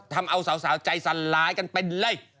ทำเอาสาวใจสั่นร้ายกันเป็นเลย